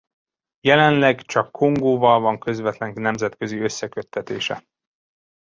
Jelenleg csak Kongóval van közvetlen nemzetközi összeköttetése.